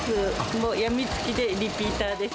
もう病みつきでリピーターです。